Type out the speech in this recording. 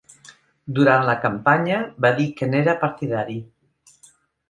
Durant la campanya va dir que n’era partidari.